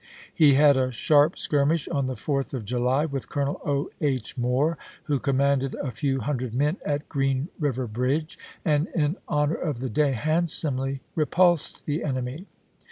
He had a sharp skir mish on the 4th of July with Colonel O. H. Moore, who commanded a few hundred men at Green River Bridge, and, in honor of the day, handsomely repulsed the enemy.